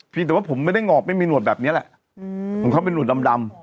รีศแล้วผมไม่ได้งอกไม่มีหนวดแบบเนี้ยแหละอืมผมเขาเป็นหลูกดำดำ